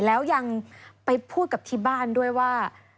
แล้วยังไปพูดกับที่บ้านด้วยว่า